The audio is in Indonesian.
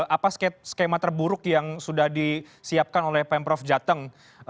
apa skema terburuk yang sudah disiapkan oleh pemprov jateng